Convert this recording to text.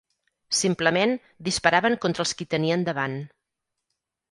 Simplement, disparaven contra els qui tenien davant